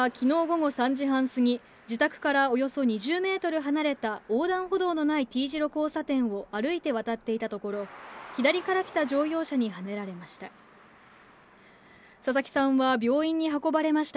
佐々木さんは昨日午後３時半過ぎ、自宅からおよそ２０ｍ離れた横断歩道のないＴ字路交差点を歩いて渡っていたところ、左から来た乗用車にはねられました。